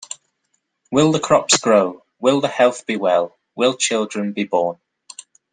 Will the crops grow, will the health be well, will children be born.